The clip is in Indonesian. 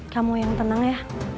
kamu yang tenang ya